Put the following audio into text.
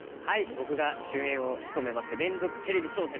僕が主演を務めます連続テレビ小説